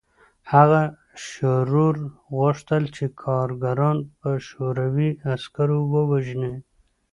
هغه شرور غوښتل چې کارګران په شوروي عسکرو ووژني